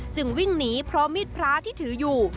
จึงวิ่งหนีพร้อมมีดพระที่ถืออยู่